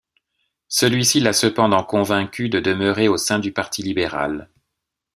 Celui-ci l'a cependant convaincu de demeurer au sein du Parti libéral.